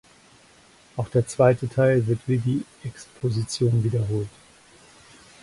Auch der zweite Teil wird wie die Exposition wiederholt.